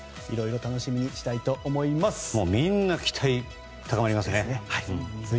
いろいろ楽しみにしたいと思います。